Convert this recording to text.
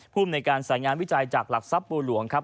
ภูมิในการสายงานวิจัยจากหลักทรัพย์บัวหลวงครับ